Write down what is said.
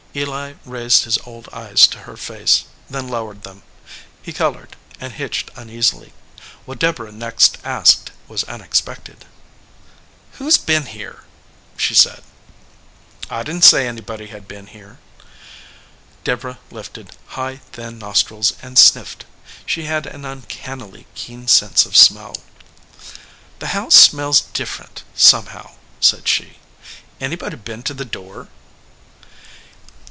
Eli raised his old eyes to her face, then lowered them. He colored, and hitched uneasily. What Deborah next asked was unexpected. "Who s been here?" she said. "I didn t say anybody had been here." Deborah lifted high, thin nostrils and sniffed. She had an uncannily keen sense of smell. "The house smells different, somehow," said she. "Any body been to the door?"